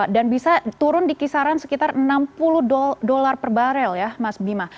dan bisa turun di kisaran sekitar enam puluh dolar per barel ya mas bima